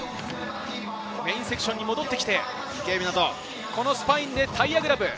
メインセクションに戻って、スパインでタイヤグラブ。